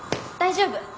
大丈夫。